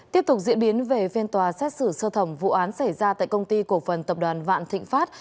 tiếp tục diễn biến về phiên tòa xét xử sơ thẩm vụ án xảy ra tại công ty cổ phần tập đoàn vạn thịnh pháp